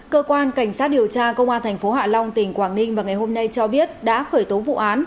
cơ quan cảnh sát điều tra công an tp hcm tỉnh quảng ninh và ngày hôm nay cho biết đã khởi tố vụ án